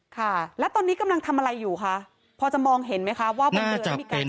ค่ะแล้วตอนนี้กำลังทำอะไรอยู่ค่ะพอจะมองเห็นไหมครับว่าบนเรือมีการจำลองเหตุการณ์